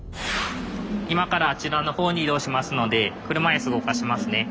今からあちらのほうに移動しますので車いす動かしますね。